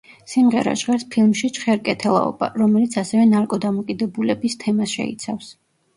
სიმღერა ჟღერს ფილმში „ჩხერკეთელაობა“, რომელიც ასევე ნარკოდამოკიდებულების თემას შეიცავს.